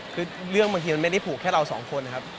คือเรื่องบางทีมันไม่ได้ผูกแค่เราสองคนนะครับ